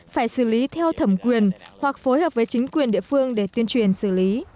phải xử lý theo thẩm quyền hoặc phối hợp với chính quyền địa phương để tuyên truyền xử lý